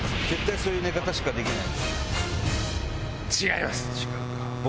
そういう寝方しかできない。